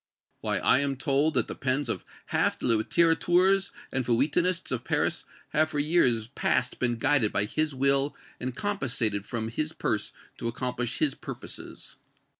Why, I am told that the pens of half the littérateurs and feuilletonists of Paris have for years past been guided by his will and compensated from his purse to accomplish his purposes.